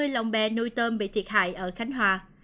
một trăm hai mươi lòng bè nuôi tôm bị thiệt hại ở khánh hòa